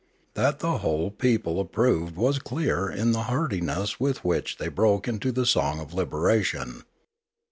That the whole people ap proved was clear in the heartiness with which they broke into the song of liberation.